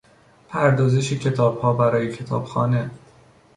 پردازش کتابها برای کتابخانه